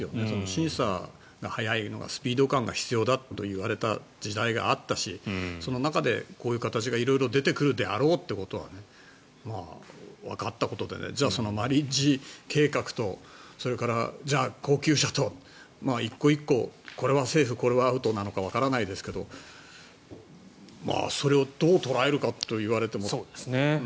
審査が速いのはスピード感が必要だといわれた時代があったしその中でこういう形が、色々出てくるであろうということはわかったことでマリッジ計画とそれから高級車と１個１個これはセーフこれはアウトなのかわからないですけどそれをどう捉えるかといわれても。